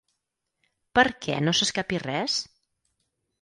Per què no s’escapi res?